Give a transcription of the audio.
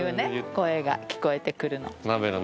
声が聞こえてくるの。